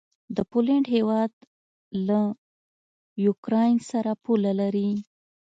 د پولينډ هيواد له یوکراین سره پوله لري.